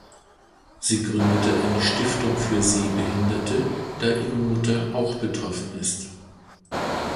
Sie gründete eine Stiftung für Sehbehinderte, da ihre Mutter auch betroffen ist.